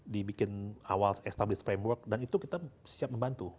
dibikin awal establish framework dan itu kita siap membantu